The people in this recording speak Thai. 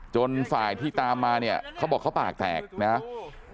จนฝ่ายที่ตามมาเนี่ยเขาบอกเขาปากแตกนะครับ